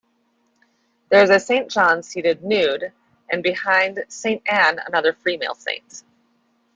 There is a Saint John seated, nude, and behind Saint Anne another female saint.